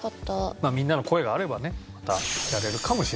まあみんなの声があればねまたやれるかもしれません。